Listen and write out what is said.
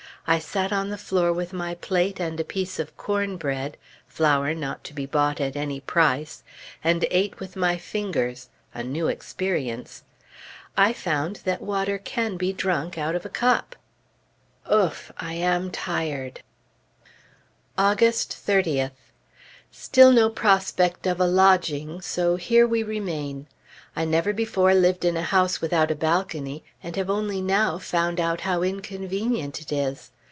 I sat on the floor with my plate, and a piece of cornbread (flour not to be bought at any price) and ate with my fingers a new experience. I found that water can be drunk out of a cup! Ouf! I am tired! August 30th. Still no prospect of a lodging; so here we remain. I never before lived in a house without a balcony, and have only now found out how inconvenient it is.